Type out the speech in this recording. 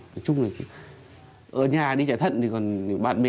nói chung là ở nhà đi chạy thận thì còn không thích mình nắm mình